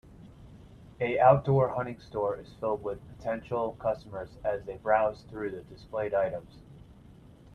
A outdoor hunting store is filled with potential customers as they browse through the displayed items.